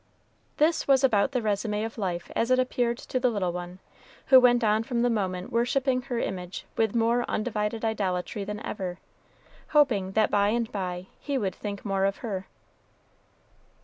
This was about the résumé of life as it appeared to the little one, who went on from the moment worshiping her image with more undivided idolatry than ever, hoping that by and by he would think more of her.